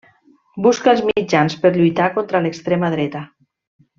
Busca els mitjans per lluitar contra l'extrema dreta.